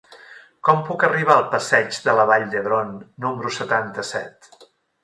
Com puc arribar al passeig de la Vall d'Hebron número setanta-set?